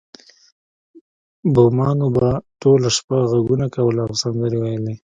بومانو به ټوله شپه غږونه کول او سندرې ویلې